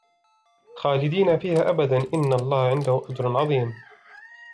خالدين فيها أبدا إن الله عنده أجر عظيم